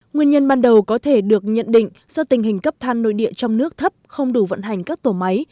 nguyên nhân ban đầu có thể được nhận định do tình hình cấp than nội địa trong nước thấp không đủ vận hành các tổ máy